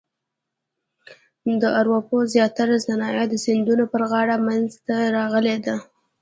د اروپا زیاتره صنایع د سیندونو پر غاړه منځته راغلي دي.